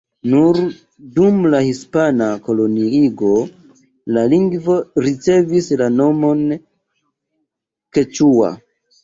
Nur dum la hispana koloniigo la lingvo ricevis la nomon keĉua.